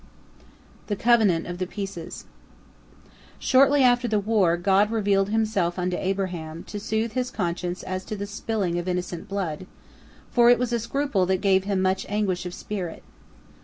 THE COVENANT OF THE PIECES Shortly after the war, God revealed Himself unto Abraham, to soothe his conscience as to the spilling of innocent blood, for it was a scruple that gave him much anguish of spirit.